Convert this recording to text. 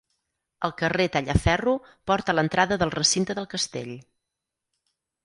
El carrer Tallaferro porta a l'entrada del recinte del castell.